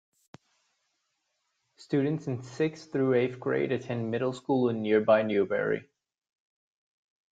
Students in sixth through eighth grade attend middle school in nearby Newberry.